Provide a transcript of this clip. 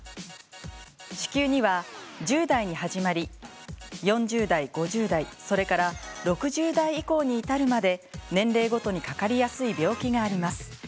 子宮には１０代に始まり４０代、５０代それから６０代以降に至るまで年齢ごとにかかりやすい病気があります。